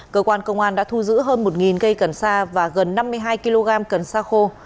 cơ quan công an đã thu giữ hơn một cây cần sa và gần năm mươi hai kg cần sa khô